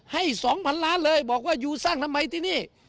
ให้๒๐๐๐ล้านเลยบอกว่าอยู่สร้างทำไมที่นี่